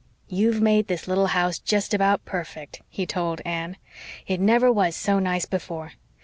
"You've made this little house just about perfect," he told Anne. "It never was so nice before.